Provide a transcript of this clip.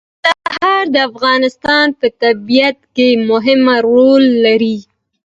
کندهار د افغانستان په طبیعت کې مهم رول لري.